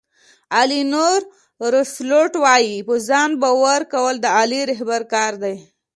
الینور روسیولوټ وایي په ځان باور کول د عالي رهبر کار دی.